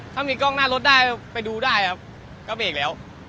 ถ้ามีกล้องหน้ารถได้ไปดูได้ครับก็เบรกแล้ว